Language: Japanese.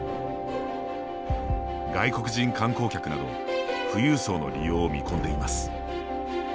外国人観光客など富裕層の利用を見込んでいます。